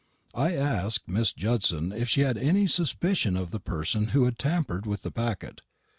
I asked Miss Judson if she had any suspicion of the person who had tampered with the packet.